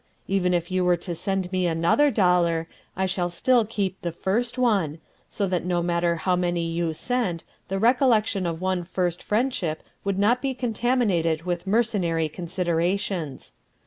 Even if you were to send me another dollar, I should still keep the first one, so that no matter how many you sent, the recollection of one first friendship would not be contaminated with mercenary considerations.